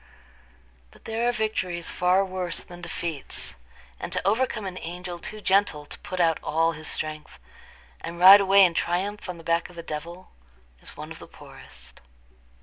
But there are victories far worse than defeats; and to overcome an angel too gentle to put out all his strength, and ride away in triumph on the back of a devil, is one of the poorest.